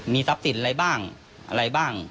ทรัพย์สินอะไรบ้างอะไรบ้าง